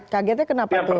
kagetnya kenapa mas fadli